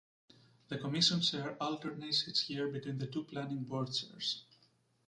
The Commission chair alternates each year between the two planning board chairs.